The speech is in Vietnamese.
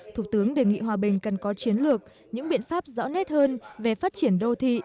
thủ tướng đề nghị hòa bình cần có chiến lược những biện pháp rõ nét hơn về phát triển đô thị